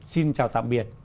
xin chào tạm biệt